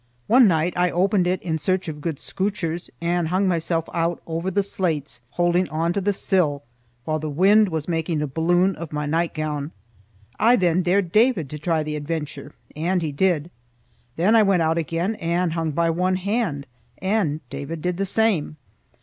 One night I opened it in search of good scootchers and hung myself out over the slates, holding on to the sill, while the wind was making a balloon of my nightgown. I then dared David to try the adventure, and he did. Then I went out again and hung by one hand, and David did the same.